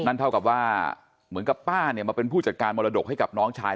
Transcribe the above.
นั่นเท่ากับว่าเหมือนกับป้าเนี่ยมาเป็นผู้จัดการมรดกให้กับน้องชาย